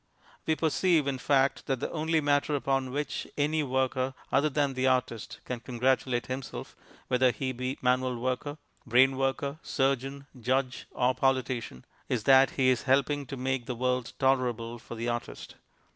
We perceive, in fact, that the only matter upon which any worker, other than the artist, can congratulate himself, whether he be manual worker, brain worker, surgeon, judge, or politician, is that he is helping to make the world tolerable for the artist.